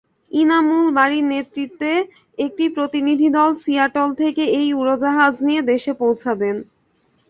ইনামুল বারীর নেতৃত্বে একটি প্রতিনিধিদল সিয়াটল থেকে এই উড়োজাহাজ নিয়ে দেশে পৌঁছাবেন।